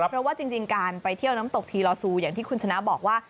เพราะว่าจริงการไปเที่ยวน้ำตกทีลอซูอย่างที่คุณชนะบอกว่า